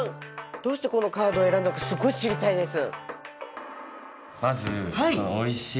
どうしてこのカードを選んだかすごい知りたいです。